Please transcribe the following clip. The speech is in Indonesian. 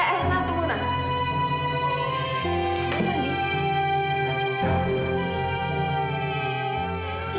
eh enak tuh